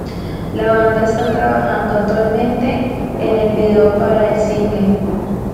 La banda está trabajando actualmente en el video para el single.